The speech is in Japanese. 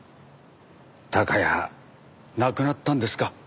孝也亡くなったんですか。